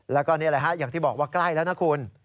แล้วก็นี่แหละฮะอย่างที่บอกว่าใกล้แล้วนะคุณ